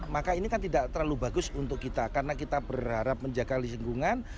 maka ini kan tidak terlalu bagus untuk kita karena kita berharap menjaga lingkungan